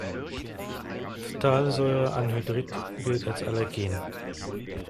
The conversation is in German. Phthalsäureanhydrid gilt als allergen.